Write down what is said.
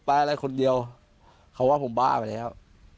อะไรคนเดียวเขาว่าผมบ้าไปแล้ว